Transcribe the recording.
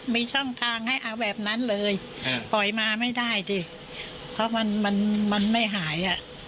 มีช่องทางให้เอาแบบนั้นเลยปล่อยมาไม่ได้สิเพราะมันมันไม่หาย